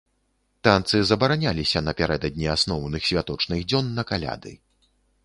Танцы забараняліся напярэдадні асноўных святочных дзён на каляды.